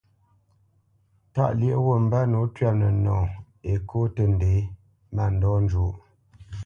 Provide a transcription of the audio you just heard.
Tâʼ lyéʼ wút mbə́ nǒ twɛ̂p nənɔ Ekô tə́ ndě mándɔ njwóʼ.